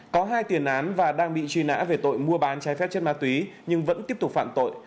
có hai tiền án và đang bị truy nã về tội mua bán trái phép chất ma túy nhưng vẫn tiếp tục phạm tội